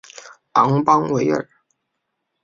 昂邦维尔。